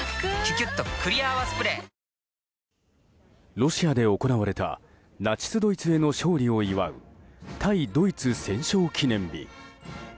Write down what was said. ロシアで行われたナチスドイツへの勝利を祝う対ドイツ戦勝記念日。